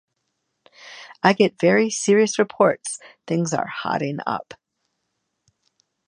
I get very serious reports things are hotting up.